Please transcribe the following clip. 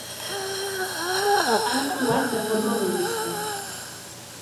Ha actuat de forma egoista.